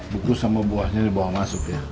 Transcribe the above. buku sama buahnya dibawa masuk ya